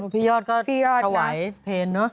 พี่ยอดก็เขาไหวเพนเนอะ